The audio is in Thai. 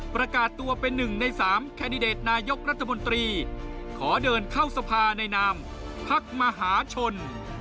เป็นหนึ่งในสามแคนดิเดตนายกรัฐบนตรีขอเดินเข้าสภาในนามพักมหาชน